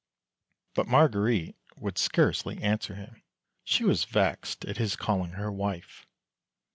But Marguerite would scarcely answer him; she was vexed at his calling her " wife."